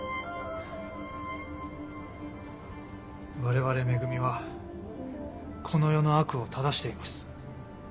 我々「め組」はこの世の悪を正しています。